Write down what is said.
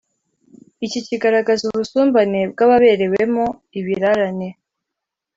iki kigaragaza ubusumbane bw’ababerewemo ibirarane